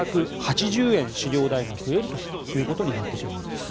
飼料代が増えるということになってしまうんです。